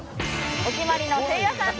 お決まりのせいやさん